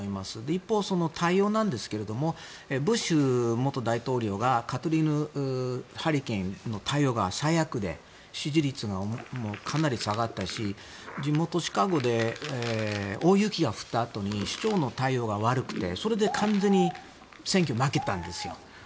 一方、対応なんですがブッシュ元大統領がカトリーヌハリケーンの対応が最悪で支持率がかなり下がったし地元シカゴで大雪が降ったあとに市長の対応が悪くてそれで完全に選挙、負けたんですよ